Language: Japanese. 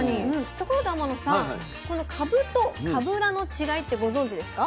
ところで天野さんこのかぶとかぶらの違いってご存じですか？